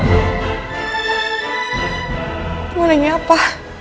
mau nengi apa